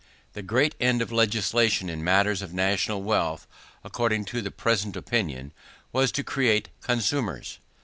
The great end of legislation in matters of national wealth, according to the prevalent opinion, was to create consumers.